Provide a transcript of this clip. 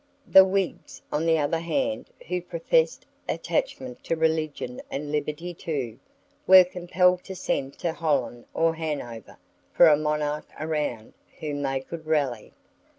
The Whigs, on the other hand, who professed attachment to religion and liberty too, were compelled to send to Holland or Hanover for a monarch around whom they could rally.